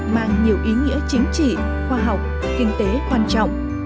mang nhiều ý nghĩa chính trị khoa học kinh tế quan trọng